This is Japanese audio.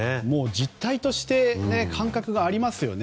実態として感覚がありますよね。